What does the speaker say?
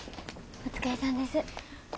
お疲れさまです。